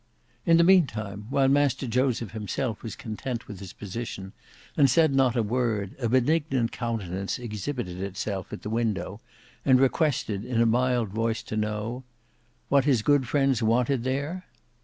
In the meantime, while Master Joseph himself was content with his position and said not a word, a benignant countenance exhibited itself at the window and requested in a mild voice to know, "What his good friends wanted there?"